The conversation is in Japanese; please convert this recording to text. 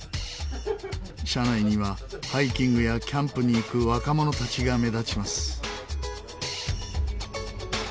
車内にはハイキングやキャンプに行く若者たちが目立ちます。